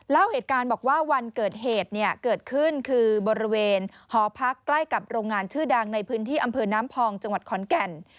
เล่าเหตุการณ์บอกว่าวันเกิดเหตุเนี่ยเกิดขึ้นคือบริเวณหอพักใกล้กับโรงงานชื่อดังในพื้นที่อำเภอน้ำพองจังหวัดขอนแก่น